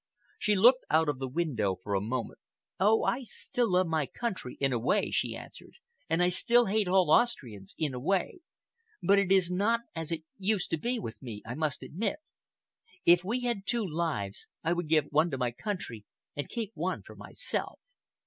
She looked out of the window for a moment. "Oh! I still love my country, in a way," she answered, "and I still hate all Austrians, in a way, but it is not as it used to be with me, I must admit. If we had two lives, I would give one to my country and keep one for myself.